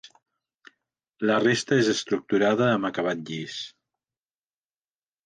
La resta és estructurada amb acabat llis.